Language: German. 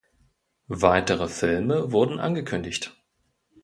Weitere Filme wurden angekündigt.